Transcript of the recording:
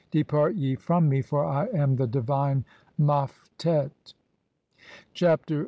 Depart ye (3) from me, for I am the divine Maftet." 1 Chapter XXXV.